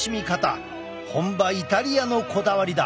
本場イタリアのこだわりだ。